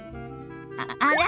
あら？